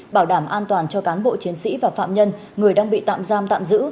bảo đảm an toàn cho cán bộ chiến sĩ và phạm nhân người đang bị tạm giam tạm giữ